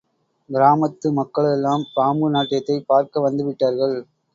கிராமத்து மக்களெல்லாம் பாம்பு நாட்டியத்தைப் பார்க்க வந்துவிட்டார்கள்.